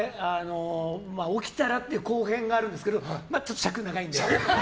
起きたらという後編があるんですけどまあ、ちょっと尺が長いので。